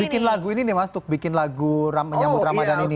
bikin lagu ini nih mas untuk bikin lagu menyambut ramadhan ini